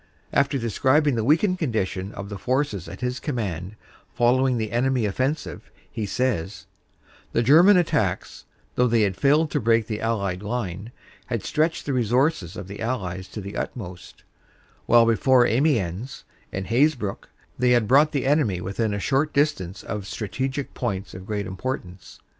After describing the weakened con dition of the forces at his command following the enemy offensive, he says : "The German attacks, though they had failed to break the Allied line, had stretched the resources of the Allies to the uttermost; while before Amiens and Haze brouck they had brought the enemy within a short distance of strategic points of great importance.